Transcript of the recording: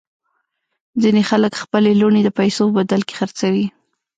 ځینې خلک خپلې لوڼې د پیسو په بدل کې خرڅوي.